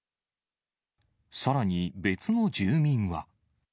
さらに、別の住民は。